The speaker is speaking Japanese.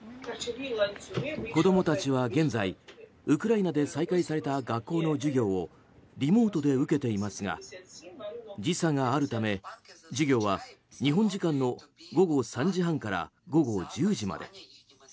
子供たちは現在、ウクライナで再開された学校の授業をリモートで受けていますが時差があるため、授業は日本時間の午後３時半から午後１０時まで。